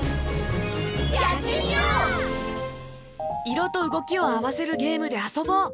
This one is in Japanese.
いろとうごきをあわせるゲームであそぼう！